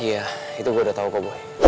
iya itu gue udah tau kok boy